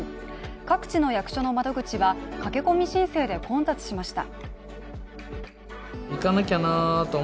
各地の役所の窓口は駆け込み申請で混雑しました。